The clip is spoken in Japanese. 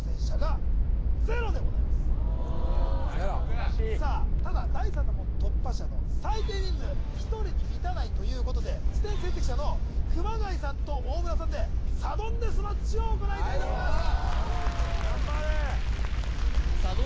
この時点でゼロ難しいただ第三の門突破者の最低人数１人に満たないということで次点成績者の熊谷さんと大村さんでサドンデスマッチを行いたいと思います